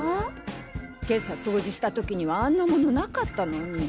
今朝掃除した時にはあんな物なかったのに。